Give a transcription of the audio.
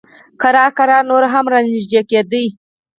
ورو ورو نور هم را نږدې کېده.